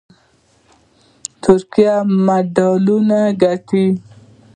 ترکیې مډالونه ګټلي